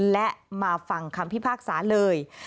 และมาฟังคำพิพากษาเลย